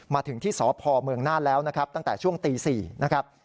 มาถึงที่สพเมืองน่านแล้วนะครับตั้งแต่ช่วงตี๔นะครับ